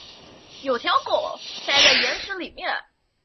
有條狗塞在岩石裡面